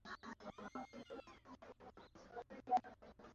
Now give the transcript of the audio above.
Lugha yake inapendeza sana